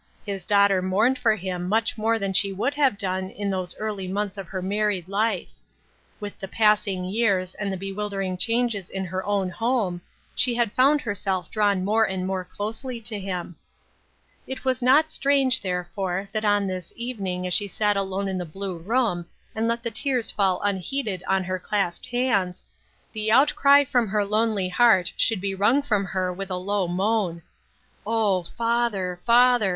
His daughter mourned for him much more than she would have done in those early months of her married life. With the pass ing years and the bewildering changes in her own home, she had found herself drawn more and more closely to him. It was not strange, therefore, that on this even ing as she sat alone in the blue room, and let the tears fall unheeded on her clasped hands, the out cry from her lonely heart should be wrung from her with a low moan :" O, father, father